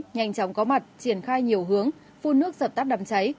nhanh chóng có mặt triển khai nhiều hướng phun nước dập tắt đám cháy